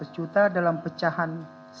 lima ratus juta dalam pecahan